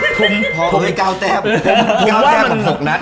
ผมเก้าแจ้งประสบคุณนะ